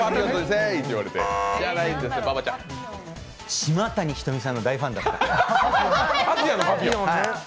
島谷ひとみさんの大ファンだった。